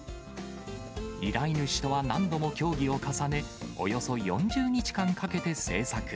依頼主とは何度も協議を重ね、およそ４０日間かけて製作。